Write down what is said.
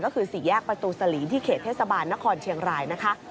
ก็คือสี่แยกประตูสลีที่เขตเทศบาลนครเชียงรายนะคะ